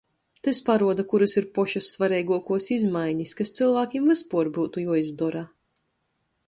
Tys paruoda, kurys ir pošys svareiguokuos izmainis, kas cylvākim vyspuor byutu juoizdora.